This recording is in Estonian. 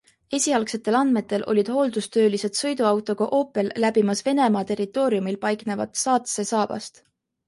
Esialgsetel andmetel olid hooldustöölised sõiduautoga Opel läbimas Venemaa territooriumil paiknevat Saatse saabast.